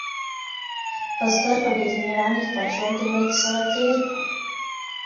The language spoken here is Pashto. بزګر په ډېرې مېړانې خپل ژوند د امید سره تېر کړ.